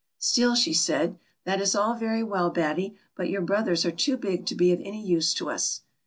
Still she said, " That is all very well, Batty ; but your brothers are too big to be of any use to us.'